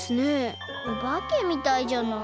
おばけみたいじゃない？